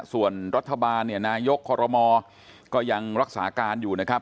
ส่วนรัฐบาลเนี่ยนายกคอรมอก็ยังรักษาการอยู่นะครับ